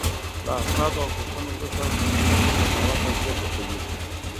له اسنادو او پوښتنو وروسته قاضي قضاوت او پرېکړه کوي.